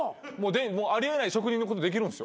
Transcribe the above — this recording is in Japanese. あり得ない職人のことできるんすよ。